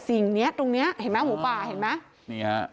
สิ่งนี้ตรงเนี้ยเห็นมะหมูปลาเห็นมะนี้ฮะ